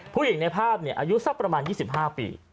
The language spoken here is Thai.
ในภาพอายุสักประมาณ๒๕ปี